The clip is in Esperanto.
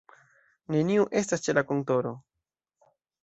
Neniu estas ĉe la kontoro.